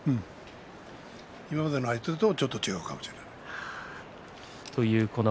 今までの相手とはちょっと違うかもしれません。